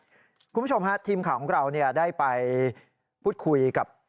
คุณผู้ชมฮะทีมข่าวของเราได้ไปพูดคุยกับ